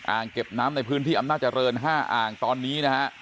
เก็บน้ำในพื้นที่อำนาจริง๕อ่างตอนนี้นะฮะ